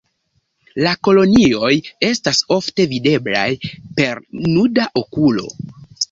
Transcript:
La kolonioj estas ofte videblaj per nuda okulo.